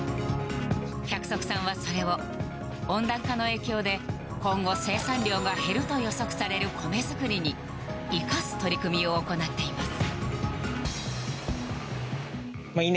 百束さんはそれを温暖化の影響で今後、生産量が減ると予測される米作りに生かす取り組みを行っています。